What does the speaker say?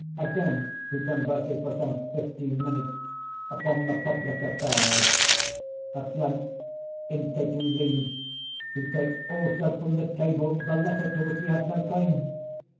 Again he converses, for some fifteen minutes, upon the public affairs. At length, in taking leave, he takes also from the table the letter to which he had no claim.